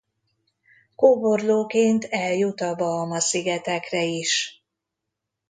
Kóborlóként eljut a Bahama-szigetekre is.